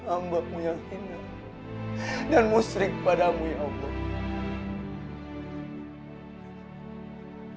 ambamu yang hina dan musrik padamu ya allah